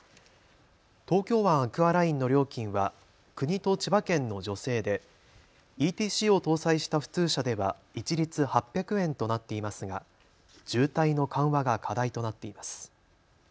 東京湾アクアラインの料金は国と千葉県の助成でＥＴＣを搭載した普通車では一律８００円となっていますが渋滞の緩和が課題となっています。